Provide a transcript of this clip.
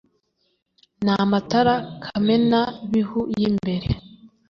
ni amatara kamenabihu y’imbere